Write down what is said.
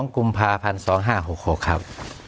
๑๒กุมภาคมพันสิบสองห้าหกหกครับ